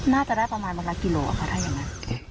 น่าจะได้ประมาณวันละกิโลค่ะถ้าอย่างนั้น